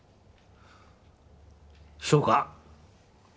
そうか。